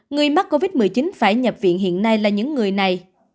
người mắc covid một mươi chín phải nhập viện hiện nay là những người này